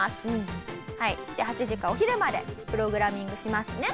はいで８時からお昼までプログラミングしますね。